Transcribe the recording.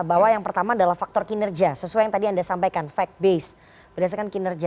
bahwa yang pertama adalah faktor kinerja sesuai yang tadi anda sampaikan fact base berdasarkan kinerja